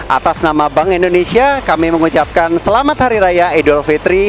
atas nama bank indonesia kami mengucapkan selamat hari raya idul fitri